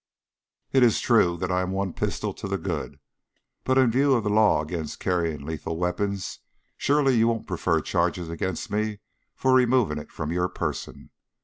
It is true that I'm one pistol to the good, but in view of the law against carrying lethal weapons, surely you won't prefer charges against me for removing it from your person.